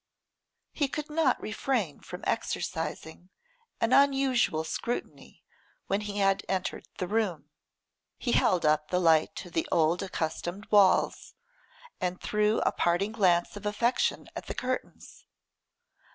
He could not refrain from exercising an unusual scrutiny when he had entered the room. He held up the light to the old accustomed walls, and threw a parting glance of affection at the curtains.